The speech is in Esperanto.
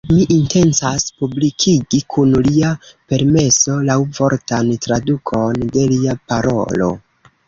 Mi intencas publikigi, kun lia permeso, laŭvortan tradukon de lia parolo.